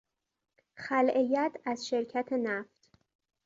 خلع ید از شرکت نفت